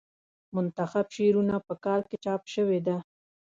منتخب شعرونه په کال کې چاپ شوې ده.